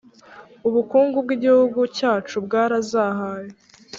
ubukungu bwigihugu cyacu bwarazahaye